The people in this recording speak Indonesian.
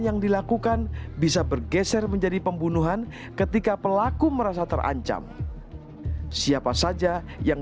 yang dilakukan bisa bergeser menjadi pembunuhan ketika pelaku merasa terancam siapa saja yang